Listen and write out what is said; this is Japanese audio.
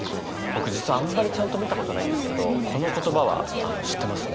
僕実はあんまりちゃんと見たことないんですけどこの言葉は知ってますね。